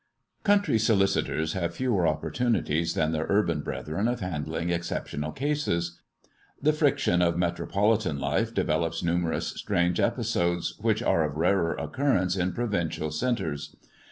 COUNTRY solicitors have fewer opportunities than their urban brethren of handling exceptional cases. The friction of metropolitan life develops numerous strange episodes, which are of rarer occurrence in provincial centres.